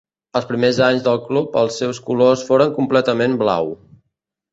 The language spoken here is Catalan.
Els primers anys del club els seus colors foren completament blau.